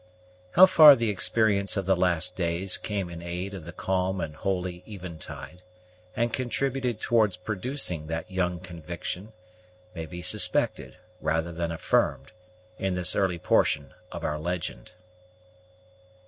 How far the experience of the last days came in aid of the calm and holy eventide, and contributed towards producing that young conviction, may be suspected, rather than affirmed, in this early portion of our legend.